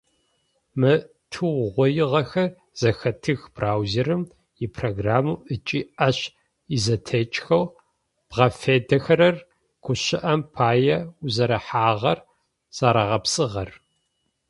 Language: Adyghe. Мы тыугъоигъэхэр зэхэтых браузерым ипрограммэу ыкӏи ащ изэтекӏхэу бгъэфедэхэрэр, гущыӏэм пае, узэрэхьагъэр зэрэгъэпсыгъэр.